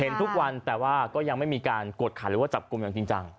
ทุกวันแต่ว่าก็ยังไม่มีการกดขันหรือว่าจับกลุ่มอย่างจริงจัง